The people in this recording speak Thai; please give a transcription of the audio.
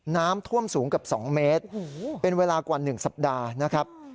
น้ำท่วมสูงเกือบ๒เมตรเป็นเวลากว่า๑สัปดาห์นะครับ